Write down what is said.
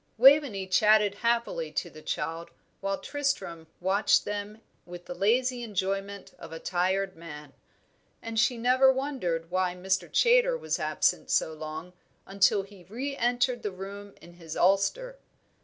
Waveney chatted happily to the child, while Tristram watched them with the lazy enjoyment of a tired man; and she never wondered why Mr. Chaytor was absent so long until he re entered the room in his ulster.